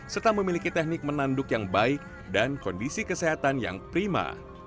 serta memiliki teknik menanduk yang baik dan kondisi kesehatan yang prima